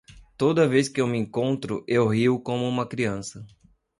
Toda vez que eu me encontro, eu rio como uma criança.